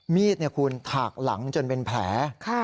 มีดคุณถากหลังจนเป็นแผล